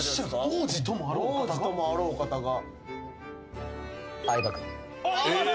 王子ともあろうお方が？